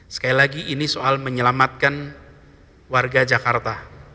sekali lagi ini soal menyelamatkan warga jakarta